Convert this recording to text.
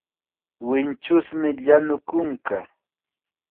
Winchusmi llanu kunka.